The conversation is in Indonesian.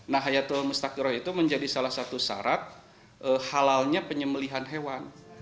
nah hayatul mustaqiroh itu menjadi salah satu syarat halalnya penyembelihan hewan